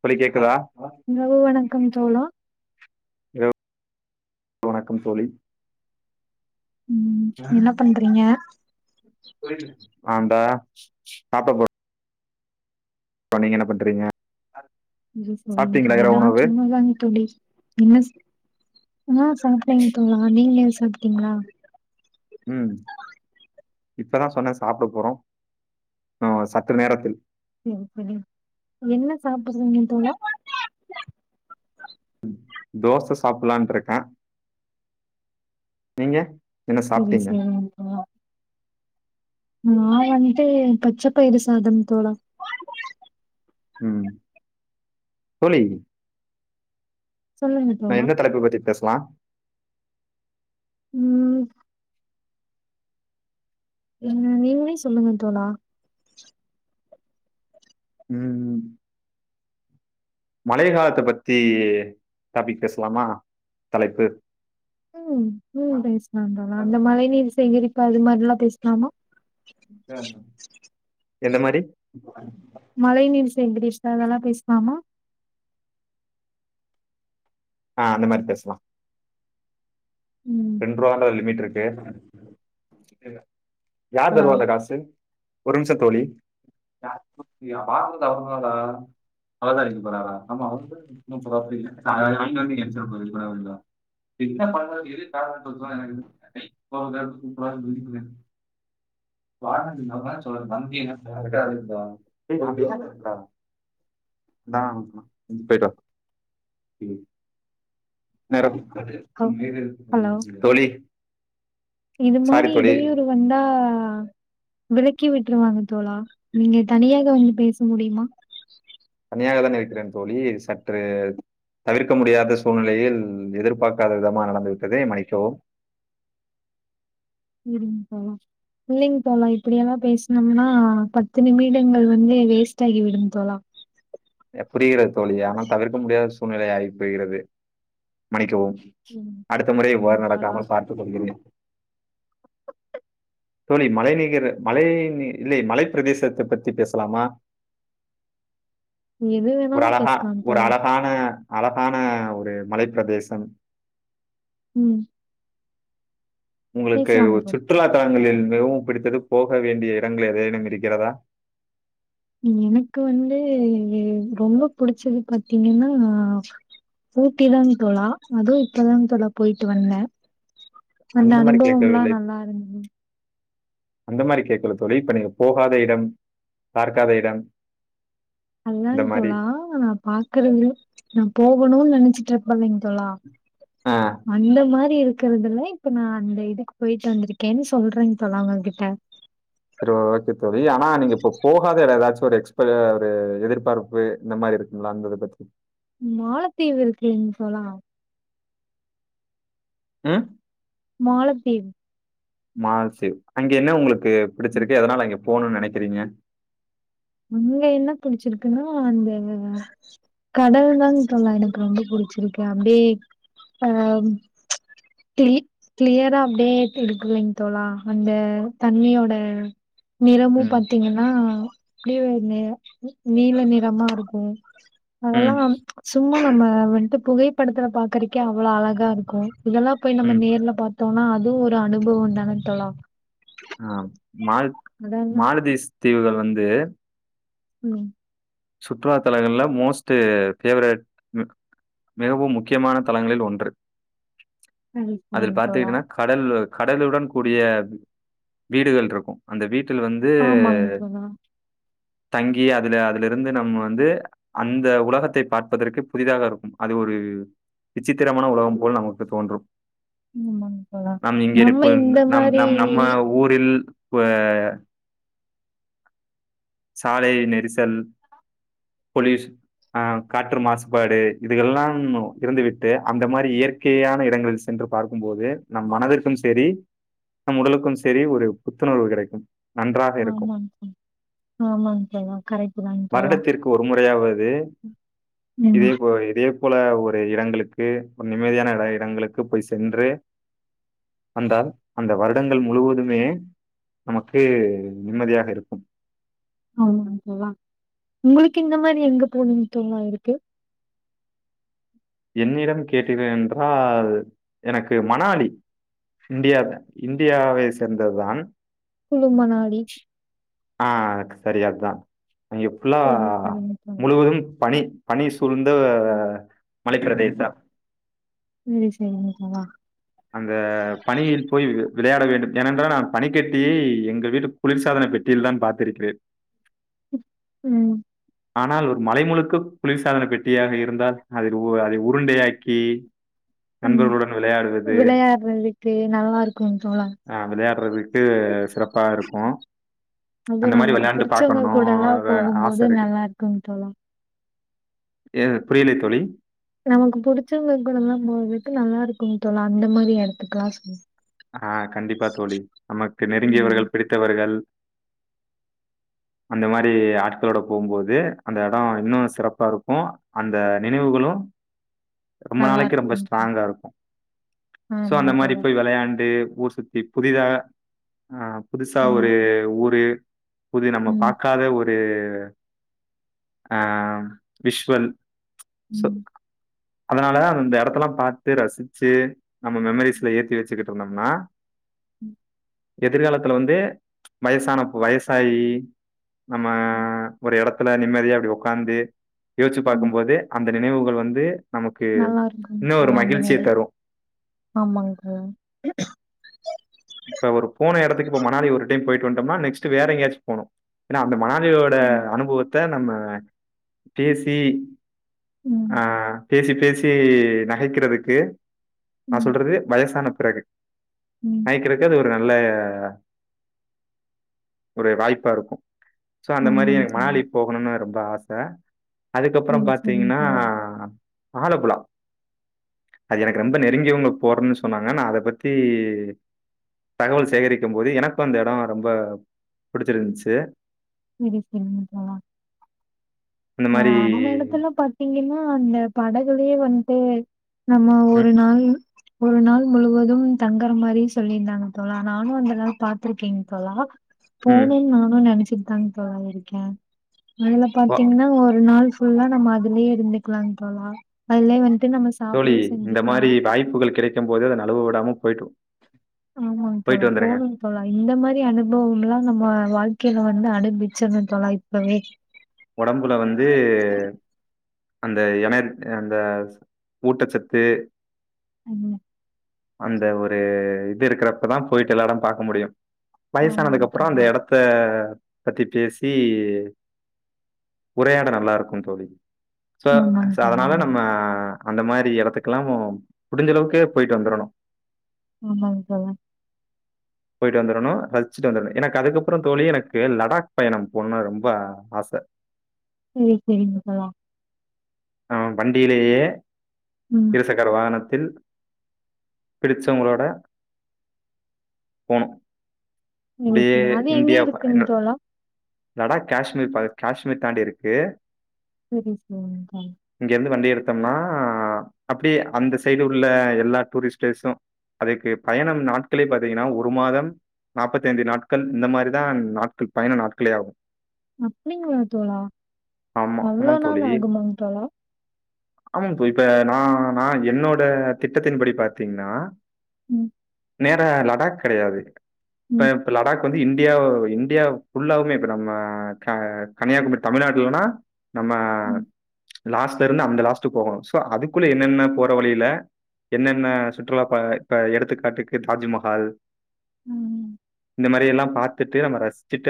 தோழி கேக்குதா கம் தோழா இரவு வணக்கம் தோழி ம் என்ன பண்றீங்க ஆ ந்தா சாப்ட போ ப நீங்க என்ன பண்றீங்க இது சொல்லுங் சாப்ட்டீங்களா தோழி நா இரவு உணவு சும்மாதாங் தோழி என்னஸ் நா சாப்டேங் தோழா நீங்க சாப்ட்டீங்ளா உம் இப்பதா சொன்னே சாப்ட போறோ ஆ சற்று நேரத்தில் சேரி செரி என்ன சாப்புர்றீங்க தோழா தோச சாப்புலான்ட்ருக்கே நீங்க என்ன செரி சாப்ட்டீங்க செரிங் தோழா நா வன்ட்டு பச்ச பயரு சாதம் தோழா உம் தோழி சொல்லுங்க நா தோழா எந்த தலைப்ப பத்தி பேசலா உம் உம் நீங்களே சொல்லுங்க தோழா உம் மழை காலத்த பத்தி டாபிக் பேசலாமா தலைப்பு உம் உம் பேசலாந் தோழா அந்த மழை நீரு சேகரிப்பு அது மாரில்லா பேசலாமா பேசலா எந்த மாரி மழை நீர் சேகரித்த அதெல்லா பேசலாமா ஆ அந்த மாரி பேசலா ம் கே [unintelligible] யார் ஹலோ தருவா அந்த காசு ஒரு நிமிஷம் தோழி [unintelligible] [unintelligible] [unintelligible] ஹான் போய்டுவா நேரம் ஹ ஹலோ தோழி இது சாரி மாரி தோழி இடையூறு வந்தா விரத் ளக்கி விட்ருவாங்க தோழா நீங்க தனியாக வந்து பேச முடியுமா நா அதா நனைக்றேன் தோழி சற்று தவிர்க்க முடியாத சூழ்நிலையில் எதிர்பார்க்காத விதமாக நடந்துவிட்டது மன்னிக்கவும் விடுங்க தோழா இல்லைங்க தோழா இப்டியெல்லா பேசனோம்னா பத்து நிமிடங்கள் வந்து வேஸ்ட் ஆகி விடும் தோழா எப் புரிகிறது தோழி ஆனால் தவிர்க்க முடியாத சு சூழ்நிலை ஆகி போகிறது மன்னிக்கவும் ம். அடுத்த முறை ம் இவ்வாறு தோழா. நடக்காமல் பார்த்து கொள்கிறேன் தோழி மலைநிகர் மலை நீ இல்லை மலைப் பிரதேசத்தை பத்தி பேசலாமா எது ஒரு வேணாலு அழகா பேசலாம் ஒரு தோழா. அழகான அழகான ஒரு மலைப்பிரதேசம் உம் உங்களுக்கு ஒரு தோழா. சுற்றுலாத்தல ங்களில் மிகவும் பிடித்தது போக வேண்டிய இடங்கள் ஏதேனும் இருக்கிறதா எனக்கு வந்து ரொம்ப புடிச்சது பாத்தீங்கன்னா ஊட்டிதா தோழா அதுவு இப்பதா தோழா போய்ட்டு வந்த அந்த மாதிரி அனுபவம்லாம் கேட்கவில்லை நல்லா இருந்த அந்த மாரி கேட்கல தோழி இப்ப நீங்க போகாத இடம் பார்காத இடம் அதான் இந்த மாதிரி தோழா நா பாக்குறது நா போகணும்னு நெனைச் ச்சுட்டு இருப்பல தோழா ஆ அந்த மாரி இருக்கு இருக்கறதுல இப்ப நா அந்த இதுக்கு போய்ட்டு வந்திருக்கேன்னு சொல்றே தோழா உங்க கிட்ட செரி ஓகே தோழி ஆனா நீங்க இப்ப போகாத ஏதாச்சும் ஒரு எக்ஸ்ப ஒரு எதிர்பார்ப்பு இந்த மாதிரி இருக்குங்களா அந்த இது பத்தி மாலத்தீவு இருக்கில்லீங் தோழா ஆஹ் மாலதீவ் மாலத்தீவு அங்க என்ன உங்களுக்கு ம், பிடிச்சிருக்கு எதனால அங்க போணும்னு நெனைக்கிறீங்க அங்க என்ன புடிச்சிருக்குன்னா அந்த கடல் தாங்க தோழா எனக்கு ரொம்ப புடிச்சிருக்கு அப்டியே ஆஹ் க்ளி கிளியரா அப்டியே இருக்குலங்க தோழா அந்த தண்ணியோட நிறமும் ம். பாத்தீங்கன்னா அப்டிய நீல நிறமா இருக்கு ம். அதெல்லாம் சும் நம்ம வந்துட்டு புகைப்படத்துல பாக்குறக்கே அவ்ளோ அழகா இருக்கு இதெல்லாம் போய் ம். நேர்ல பாத் தோழா அதுவு ஒரு அனுபவம் தான தோழா மா அதான மா தீஸ் தீவுகள் வந்து உம் சுற்றுலா தலங்கள்ல மோஸ்ட் ஃபேவெரெட் மிகவும் முக்கிய முக்கியமான தளங்களில் ஒன்று சரி, அதுல சரிங்க தோழா. பாத்துக்கிட்டன்னா கடல்லு கடலுடன் கூடிய வீடுகள் இருக்கு அந்த வீட்டு வீட்டில் வந்து ஆமாங்க தோழா. தங்கி அதுல அது அங்க இருந்து நம்ம வந்து அந்த உலகத்தை பார்ப்பதற்கு புதிதாக இருக்கும் அது ஒரு விசித்திரமான உலகம் போல் நமக்கு தோன்றும் ஆமாங்க தோழா. நம் இங்க நம்ம இருக்கும் இந்த நம் மாரி நம் நம்ம ஊரில் [unintelligible] சாலை நெரிசல் பொலியூஷன் ஆஹ் காற்று மாசுபாடு இதுங்கெல்லாம் இறந்து விட்டு ட்டு அந்த மாதிரி இயற்கையான இடங்களில் சென்று பாக்கும் போது நம் மனதிற்கும் செரி நம் உடலுக்கும் செரி ஒரு புத்துணர்வு கிடைக்கும் நன்றாக இருக்கும் ஆமாங்க தோழா. ஆமாங்க தோழா. கரெக்ட் தாங்க தோழா. வருடத்திற்கு ஒரு முறையாவது ம். இதேபோல இதே அதே போல ஒரு இடங்களுக்கு ஒரு நிம்மதியான இட இடங்களுக்கு போய் சென்று வந்தால் அந்த வருடங்கள் முழுவதுமே நமக்கு நிம்மதியாக இருக்கும் ஆமாங்க தோழா உங்களுக்கு இந்த மாதிரி எங்க போனும்னு தோழா இருக்கு என்னிடம் கேட்டிர்கள் என்றால் எனக்கு மணாலி இந்தியால இந்தியாவை சேர்ந்தது தான் குளுமணாலி ஆஹ் சரி அதான் அங்கே ஃபுல்லா சரி, சரிங்க தோழா. முழுவதும் பனி பனி சூழ்ந்த மலைப்பிரதேசம் உம் சரிங்க தோழா அந்த பனியில் போய் விளையாட வேண்டும் ஏனென்றால் நான் பனிக்கட்டியை எங்கள் வீட்டு குளிர் சாதனப் பெட்டியில தான் பார்த்திருக்கிறேன் உம் ஆனால் ஒரு மலை முழுக்க குளிர் சாதன பெட்டியாக இருந்தால் அதை அதை உருண்டையாக்கி ம். நண்பர்களுடன் விளையாடுறது விளையாடுறதுக்கு நல்லா இருக்குங்க தோழா. ஆஹ் விளையாடுறதுக்கு சிறப்பாருக்கும் அந்த அதுவும் மாதிரி நமக்கு வெள்ளாயாண்டு பாக்கணு அ ஆசருக்கு க்கு தோழா ஏது புரியலை தோழி நமக்கு புடிச்சவங்க கூடலா போகுறதுக்கு நல்லாருக்கு தோழா அந்த மாதிரி எடத்துக்கலா ஆஹ் கண்டிப்பா தோழி நமக்கு ஆமா. நெருங்கியவர்கள் பிடித்தவர்கள் அந்த மாதிரி ஆட்களோட போகும்போது அந்த எடோ இன்னு சிறப்பாருக்கு அந்த நினைவுகளு ரொம்ப நாளைக்கி ரொம்ப நல்லாருக்கும் தோழா. ஸ்ட்ராங்காருக்கு சோ அந்த ஆமாங் மாரி தோழா. போய் வெளையாண் ஊர் சுத்தி புதிதா ஆஹ் புதுசா ம். ஒரு ஊரு புது நம்ம ம். பாக்காத ஊரு அ ஆ விஸ்வல் சோ ம். அதனால அந்த எடத்தல்லா பாத்து ரசிச்சு நம் மெமீரீஸ்ல ஏத்திவச்சட்டு இருந்தோம்னா உம் எதிர்காலத்துல வந்து வயசானப்போ வயசாயி நம்ம உம் அந்த எடத்துல நிம்மதியா அப்டி உக்காந்து யோஸ்ச்சு பாக்கம் போது அந்த நினைவுகள் வந்து நமக்கு நல்லாருக்குன் இன்னும் ஒரு தோழா மகிழ்ச்சிய [unintelligible] தரும். ஆமாங்க தோழா இப்ப ஒரு போன எடத்துக்கு இப்ப மணாடி ஒரு டைம் போயிட்டு வந்டோம்னா நெக்ஸ்ட் வேற எங்கயாச்சு போணு ஏனா அந்த மணாளியோட ம். அனுபவத்த நம்ம அ பேசி ம். ஆஹ் பேசி பேசி நகைக்கிறதுக்கு நா ம். சொல்றது வயசான பிறகு ம். வாங்கிகறக்கு அது ஒரு நல்ல ஒரு வாய்ப்பா இருக்கும் சோ அந்த மாரி ஆமாங்க எனக் தோழா. மாலிக்கு போகணுனு ரொம்ப ஆச ச சரி, அதுக்கப்புறம் சரிங்க பாத்தீங்கன்னா தோழா. ஆலப்புழா அது எனக்கு ரொம்ப நெருங்கியவங்க போறன்னு சொன்னாங்க நா அத பத்தி தகவல் சேகரிக்கும் போது எனக்கு அந்த எடம் ரொம்ப புடிச்சிருந்துச்சு இந்த மாதிரி ஆஹ் அந்த எடத்துல பாத்தீங்கன்ன அந்த படகுளயே வந்துட்டு நம்ம ம் ஒரு நாள் ஒரு நாள் முழுவதும் தங்கற மாதிரி சொல்லியிருந்தாங்க தோழா நானு அந்த நாள் பாத்திருக்கேங் தோழா போனேன் நானு நெனச்சு தாங்க தோழா இருக்கே அதுல ம் பாத்தீங்கன்னா ஒரு நாள் ஃபுல்லா நம்ம அதுலயே இருந்துக்கலாங் தோழா அதுலயே வந்து தோழி இந்த மாதிரி வாய்ப்புகள் கிடைக்கும் போதே அத நழுவ விடாம போய்ட்டு ஆமாங்க தோழா போகணும் தோழா இந்த மாதிரி அனுபவம்லா நம்ம வாழ்க்கையில வந்து அனுபிச்சர்னு தோழா இப்பவே ஒடம்புல வந்து அந்த எணை அந்த ஊட்டச்சத்து ம் அந்த ஒரு இது இருக்கிறப்பதா போயிட்டு எல்லாரும் பாக்க முடியு வயசானதுக்கு ஆமாங்க அப்புற அந்த தோழா எடத்த பத்தி பேசி உரையாட நல்லா இருக்குந் தோழி சோ ஆமாங்க சோ தோழா அதனால நம்ம அந்த மாரி எடத்துக்கெல்லா முடிஞ்ச அளவுக்கு போயிட்டு வந்துரணு ஆமாங்க தோழா போயிட்டு வந்துரணும் ரசிச்சுட்டு வந்துடணு எனக்கு அதுக்கப்புற தோழி எனக்கு லடாக் பயணம் போணுனு ரொம்ப ஆச சரி சரிங்க தோழா ஆஹ் வண்டியிலேயே ம். இருசக்கர வாகன கு பிடிச்சவங்களோட போனும் ம் செரி அது எங்க இருக்குங்க தோழா லடாக் காஷ்மீர் காஷ்மீர் தாண்டி இருக்கு செரி செரிங் தோழா பாத்தம்னா அப்டியே அந்த சைடு உள்ள எல்லா டூரிஸ்டர்சும் அதுக்கு பயணம் நாட்களே பாத்தீங்கன்னா ஒரு மாதம் நாற்பத்தி ஐந்து நாட்கள் இந்த மாரிதா நாட்கள் பயண நாட்களே ஆகும் அப்டிங்களா தோழா ஆமா. அவ்ளோ நாள் ஆகுமா தோழா ஆமா தோழி இப்ப நா நா என்னோட திட்டத்தின் படி பாத்தீங்கன்னா உம் நேரா லடாக் கெடயாது ப ம், லடாக் வந்து இந்தியா இந்தியா புல்லாவுமே இப்ப நம்ம கன்னியாகுமரி தமிழ்நாட்லன்னா நம்ம உம் லாஸ்ட்ல இருந்து அந்த லாஸ்டு போகணு சோ அதுக்குள்ள என்னென்ன போற வழியில என்னென்ன சுற்றுலா ப இப்ப எடுத்துக்காட்டுக்கு தாஜ்மஹால் உம் இந்த மாரி எல்லா பாத்திட்டு நம்ம ரசிச்சிட்டு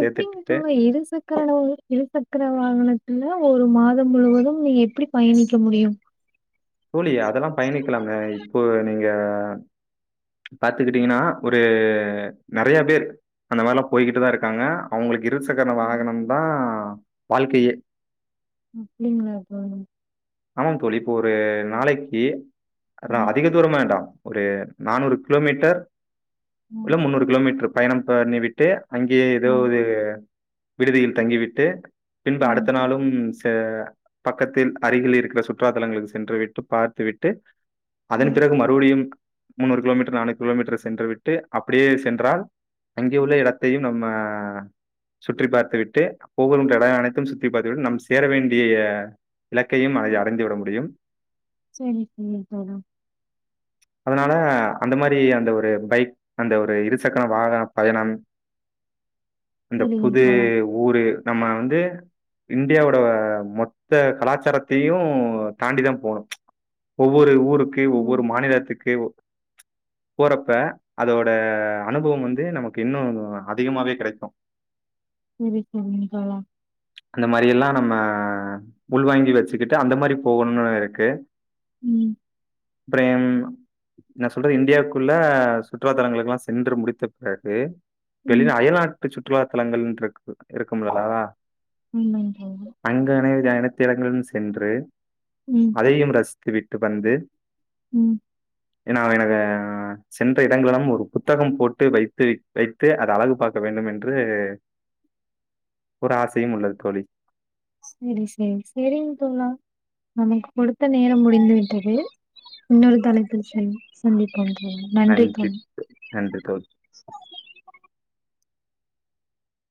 எப்டிங்க தோழா இருசக்கர இருசக்கர வாகனத்துல ஒரு மாதம் முழுவதும் நீ எப்படி பயணிக்க முடியும் தோழி அதெல்லா பயணிக்கலாம்ங்க இப்போ நீங்க பாத்துக்கீட்டீங்கன்னா ஒரு நெறைய பேர் அந்த மாரிலாம் போய்கிட்டு தா இருக்காங்க அவங்களுக்கு இருசக்கர ம். வாகனம் தா வாழ்க்கையே அப்டிங்களா தோழா ஆமாம் தோழி இப்போ ஒரு நாளைக்கு ம், அதிக தூரம் வேண்டாம் ஒரு நானூறு கிலோமீட்டர் ம், இல்ல முன்னூறு கிலோமீட்டர் பயணம் பண்ணி விட்டு அங்கயே ஆ. ஏதாவது விடுதியில் தங்கிவிட்டு பின்பு ம், அடுத்த நாளும் ஹ பக்கத்தில் அருகில் இருக்கிற சுற்றுா தலங்களுக்கு சென்று விட்டு பார்த்து விட்டு அதன் ம். பிறகு மறுபடியும் முன்னூறு கிலோமீட்டர் நானூறு கிலோமீட்டர் சென்று விட்டு அப்படியே சென்றால் அங்கே உள்ள இடத்தையும் நம்ம சுற்றி பார்த்து விட்டு போகின்ற இடம் அனைத்தும் சுற்றி பார்த்து விட்டு நம் சேர வேண்டிய இலக்கையும் அதை அடைந்துவிட முடியும் சரி, சரி தோழா. அதனால அந்த மாதிரி அந்த ஒரு பைக் அந்த ஒரு இருசக்கன வாகன பயணம் அந்த சரிங்க புது தோழா. ஊரு நம்ம வந்து இந்தியாவோட மொத்த கலாச்சாரத்தையு தாண்டி தா போணு ச்ச் ஒவ்வொரு ஊர் இருக்கு ஆ. ஒவ்வொரு மாநிலத் [unintelligible] போறப்ப அதோட அனுபவம் வந்து நமக்கு இன்னு அதிகமாவே கெடைக்கு சரி, சரிங்க தோழா. அந்த மாரி எல்லா நம்ம அ உள்வாங்கி வச்சுக்கிட்டு அந்த மாரி போகணுனு இருக்கு ம், பிரேம் நா சொல்றே இந்தியாவுக்குள்ளே சுற்றுா தலங்களுக்ல்லா சென்று முடித்த பிறகு வெளி ம். நா அயல் நாட் ட்டு சுற்றுலா தலங்கள்ன்னுடுருக்கு இருக்கு ஆமாங்க தோழா. [unintelligible] அங்கேனே [unintelligible] எனக் திலங்கடன் சென்று ம், அதையும் ரசித்து விட்டு வந்து உம் நா எனக்கு சென்ற இடங்களெல்லாம் ஒரு புத்தகம் போட்டு வைத்து வைத்து அத அழகு பார்க்க வேண்டும் என்று ஒரு ஆசையும் உள்ளது தோழி செரி செரி செரிங் தோழா நமக்கு கொடுத்த நேரம் முடிந்து விட்டது இன்னொரு தளத்தில் சந் சந்திப்போதோழா நன்றி தோழா நன்றி தோழி